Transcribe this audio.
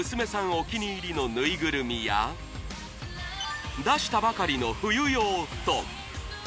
お気に入りのぬいぐるみや出したばかりの冬用布団